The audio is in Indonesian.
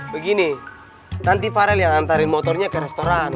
begini nanti faril yang anterin motornya ke restoran